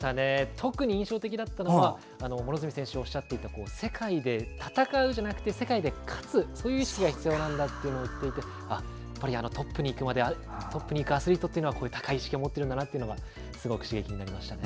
特に印象的だったのが両角選手がおっしゃっていた「世界で戦う」じゃなくて「世界で勝つ」という意識が必要なんだというのを言っていてトップに行くアスリートはこういう高い意識を持ってるんだなというのがすごく刺激になりましたね。